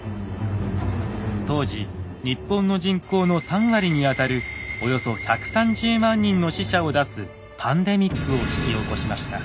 当時日本の人口の３割にあたるおよそ１３０万人の死者を出すパンデミックを引き起こしました。